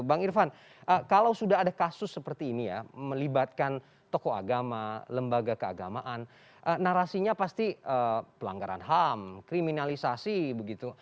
bang irfan kalau sudah ada kasus seperti ini ya melibatkan tokoh agama lembaga keagamaan narasinya pasti pelanggaran ham kriminalisasi begitu